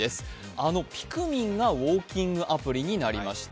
あのピクミンがウォーキングアプリになりました。